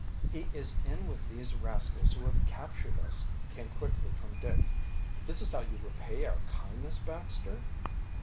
"He is in with these rascals who have captured us," came quickly from Dick. "This is how you repay our kindness, Baxter?"